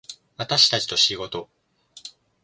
私たちと仕事